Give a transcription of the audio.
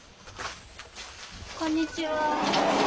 こんにちは。